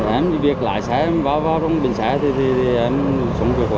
em đi việc lái xe em vào trong bình xe thì em sống vui khỏe